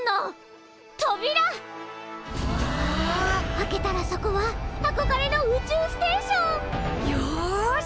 開けたらそこはあこがれの宇宙ステーション！よし！